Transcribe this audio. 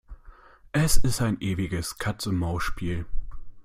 Es ist ein ewiges Katz-und-Maus-Spiel.